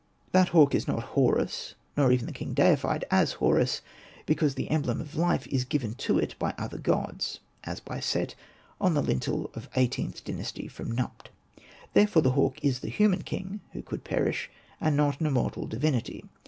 That hawk is not Horus, nor even the king deified as Horus, because the emblem of life is given to it by other gods (as by Set on a lintel of XVIIIth Dynasty from Nubt), and therefore the hawk is the human king who could perish, and not an immortal divinity.